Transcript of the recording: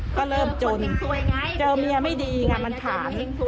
ก็เริ่มจนเจอเมียไม่ดีไงมันถาม